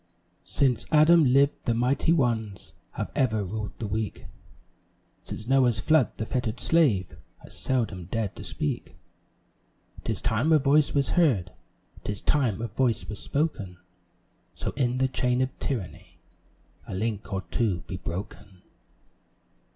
Since Adam lived, the mighty ones Have ever ruled the weak; Since Noah's flood, the fettered slave Has seldom dared to speak. 'Tis time a voice was heard, 'Tis time a voice was spoken So in the chain of tyranny A link or two be broken.